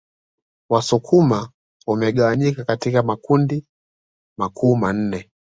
Wasukuma wamegawanyika katika makundi makuu manne